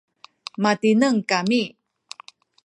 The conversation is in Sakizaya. matineng kami